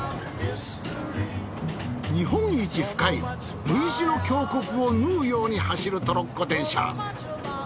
日本一深いＶ字の峡谷を縫うように走るトロッコ電車。